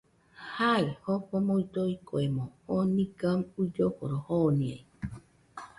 Jai, Jofo nuido ikoemo, oo niga uilloforo joniai